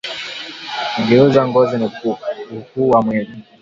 Ku geuza ngozi ni kuhuwa mwili